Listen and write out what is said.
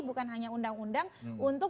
bukan hanya undang undang untuk